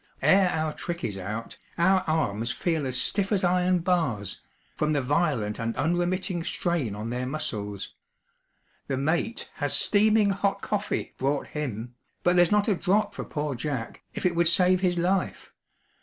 Ere our trick is out, our arms feel as stiff as iron bars, from the violent and unremitting strain on their muscles. The mate has steaming hot coffee brought him; but there's not a drop for poor Jack, if it would save his life.